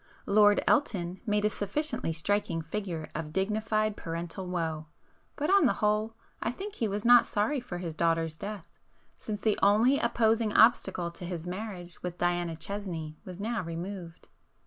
Lord Elton made a sufficiently striking figure of dignified parental woe, but on the whole I think he was not sorry for his daughter's death, since the only opposing obstacle to his marriage with Diana Chesney was now removed.